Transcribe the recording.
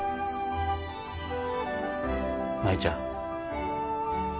舞ちゃん。